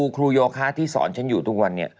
ครูโยคะที่สอนฉันอยู่ทุกวันนี้